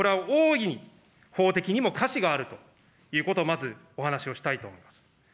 私はこれは大いに、法的にもかしがあるということをまずお話をしたいと思います。